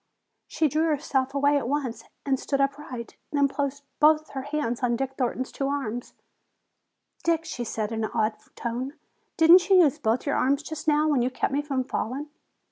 She drew herself away at once and stood upright. Then placed both her hands on Dick Thornton's two arms. "Dick," she said in an awed tone, "didn't you use both your arms just now, when you kept me from falling?"